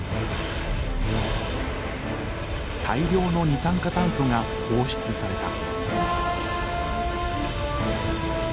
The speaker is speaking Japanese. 大量の二酸化炭素が放出された。